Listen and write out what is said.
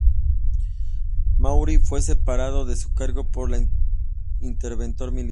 Maury fue separado de su cargo por el interventor militar.